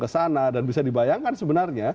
kesana dan bisa dibayangkan sebenarnya